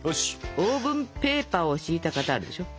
オーブンペーパーを敷いた型あるでしょ。